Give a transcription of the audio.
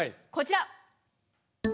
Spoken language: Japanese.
こちら！